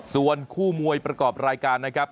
ส่วนคู่มวยประกอบรายการนะครับ